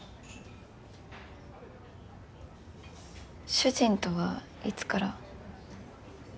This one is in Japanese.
主人とはいつから。